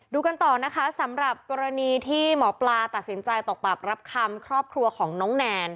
กันต่อนะคะสำหรับกรณีที่หมอปลาตัดสินใจตกปรับรับคำครอบครัวของน้องแนน